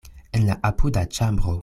En la apuda ĉambro.